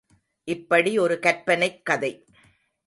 இப்படி ஒரு கற்பனைக் கதை.